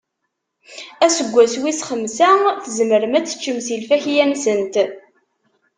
Aseggas wis xemsa, tzemrem ad teččem si lfakya-nsent.